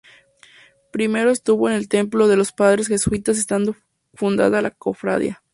Primero estuvo en el templo de los Padres Jesuitas estando fundada la Cofradía.